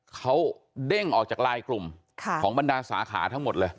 เขาเด้งออกจากลายกลุ่มของบรรดาสาขาทั้งหมดเลย